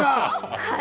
はい。